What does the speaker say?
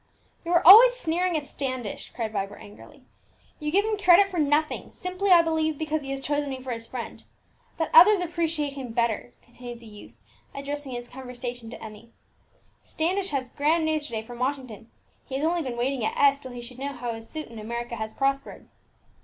"You are always sneering at Standish," cried Vibert angrily; "you give him credit for nothing, simply, I believe, because he has chosen me for his friend. But others appreciate him better," continued the youth, addressing his conversation to Emmie. "Standish had grand news to day from Washington; he has only been waiting at S till he should know how his suit in America has prospered."